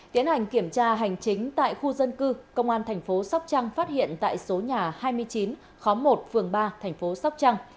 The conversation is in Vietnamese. tiến hành kiểm tra hành chính tại khu dân cư công an tp sóc trăng phát hiện tại số nhà hai mươi chín khóa một phường ba tp sóc trăng